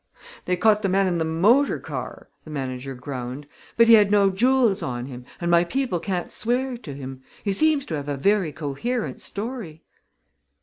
"They caught the man in the motor car," the manager groaned; "but he had no jewels on him and my people can't swear to him. He seems to have a very coherent story."